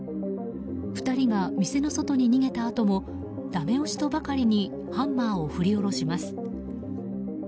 ２人が店の外に逃げたあともだめ押しとばかりにハンマーを振り下ろします。